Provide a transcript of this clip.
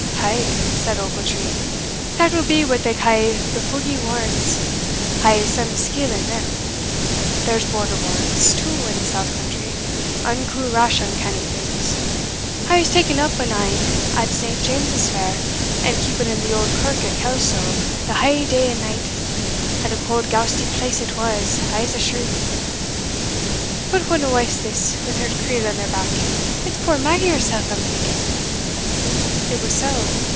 "Ay," said Ochiltree, "that will be what they ca' the fugie warrants I hae some skeel in them. There's Border warrants too in the south country, unco rash uncanny things; I was taen up on ane at Saint James's Fair, and keepit in the auld kirk at Kelso the haill day and night; and a cauld goustie place it was, I'se assure ye. But whatna wife's this, wi' her creel on her back? It's puir Maggie hersell, I'm thinking." It was so.